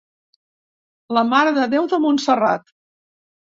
La Mare de Déu de Montserrat.